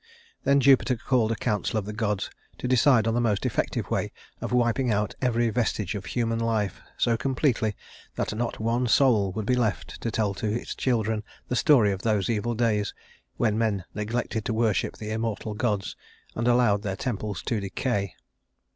Then Jupiter called a council of the gods to decide on the most effective way of wiping out every vestige of human life so completely that not one soul would be left to tell to his children the story of those evil days, when men neglected to worship the immortal gods and allowed their temples to decay.